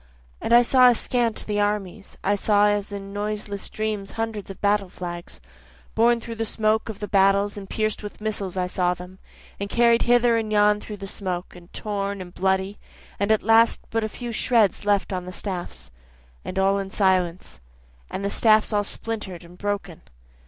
And I saw askant the armies, I saw as in noiseless dreams hundreds of battle flags, Borne through the smoke of the battles and pierc'd with missiles I saw them, And carried hither and yon through the smoke, and torn and bloody, And at last but a few shreds left on the staffs, (and all in silence,) And the staffs all splinter'd and broken.